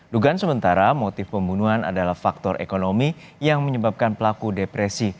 dugaan sementara motif pembunuhan adalah faktor ekonomi yang menyebabkan pelaku depresi